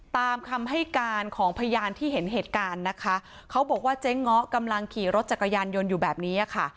ตามคำให้การของพยานที่เห็นเหตุการณ์นะคะเขาบอกว่าเจ๊ง้อกำลังขี่รถจักรยานยนต์อยู่แบบนี้ค่ะ